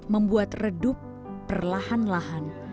membuat redup perlahan lahan